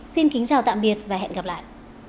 xin kính chào tạm biệt và hẹn gặp lại